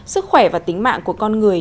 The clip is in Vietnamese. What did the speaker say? sức khỏe và tính mạng của con người